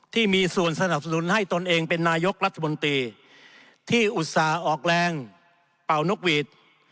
ที่มีส่วนสนับสนุนให้ตนเองเป็นนายกรัฐมนตรีที่อุตส่าห์ออกแรงเป่านกหวีด